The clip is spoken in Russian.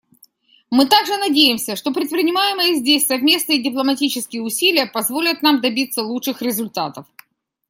Мы также надеемся, что предпринимаемые здесь совместные дипломатические усилия позволят нам добиться лучших результатов.